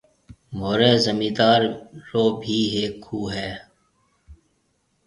مهوريَ زميندار ڀِي هيڪ کُوه هيَ۔